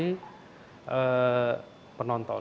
dan juga untuk mencari penonton